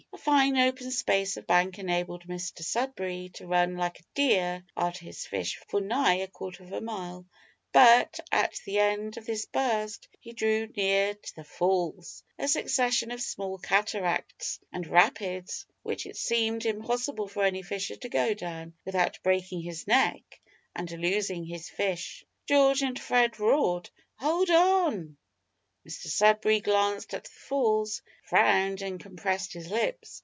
A fine open space of bank enabled Mr Sudberry to run like a deer after his fish for nigh a quarter of a mile, but, at the end of this burst, he drew near to "the falls" a succession of small cataracts and rapids which it seemed impossible for any fisher to go down without breaking his neck and losing his fish. George and Fred roared, "Hold on!" Mr Sudberry glanced at the falls, frowned, and compressed his lips.